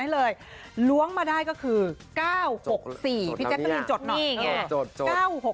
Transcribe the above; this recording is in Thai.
ล้วงมาได้ก็คือ๙๖๔พี่แจ๊บต้องยืนจดหน่อย